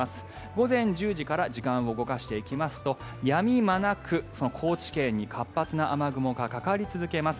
午前１０時から時間を動かしていきますとやみ間なく高知県に活発な雨雲がかかり続けます。